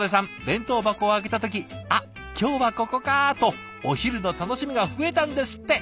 弁当箱を開けた時「あっ今日はここか」とお昼の楽しみが増えたんですって。